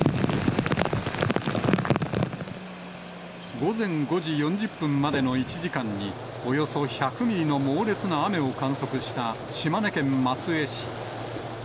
午前５時４０分までの１時間におよそ１００ミリの猛烈な雨を観測した島根県松江市。